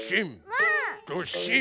どっしん！